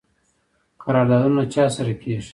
قراردادونه چا سره کیږي؟